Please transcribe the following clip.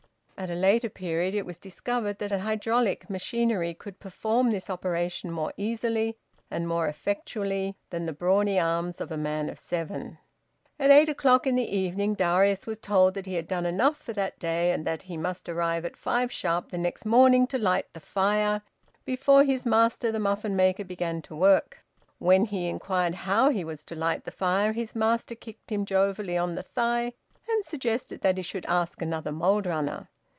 At a later period it was discovered that hydraulic machinery could perform this operation more easily and more effectually than the brawny arms of a man of seven. At eight o'clock in the evening Darius was told that he had done enough for that day, and that he must arrive at five sharp the next morning to light the fire, before his master the muffin maker began to work. When he inquired how he was to light the fire his master kicked him jovially on the thigh and suggested that he should ask another mould runner.